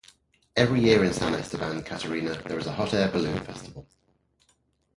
Every year in San Esteban Catarina there is a hot air balloon festival.